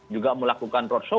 juga melakukan roadshow